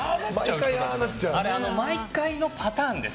毎回のパターンです。